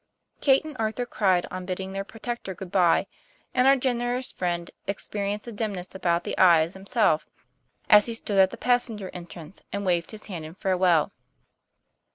Kate and Arthur cried on bidding their protector good bye, and our generous friend experienced a dim ness about the eyes himself, as he stood at the pas senger entrance and waved his hand in farewell.